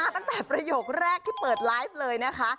ตั้งแต่ประโยคแรกที่เปิดไลฟ์เลยนะคะ